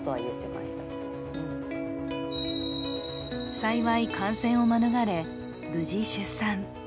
幸い感染を免れ、無事出産。